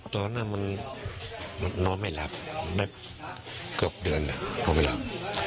ตอนนั้นมันนอนไม่แลกกว่าเดือนก็นอนไม่แลป